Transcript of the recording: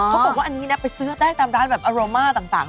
เขาบอกว่าอันนี้นะไปซื้อได้ตามร้านแบบอาโรมาต่าง